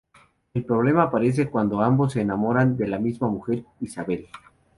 El problema aparece cuando ambos se enamoran de la misma mujer, Isabel.